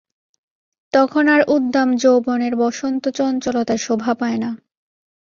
তখন আর উদ্দাম যৌবনের বসন্তচঞ্চলতা শোভা পায় না।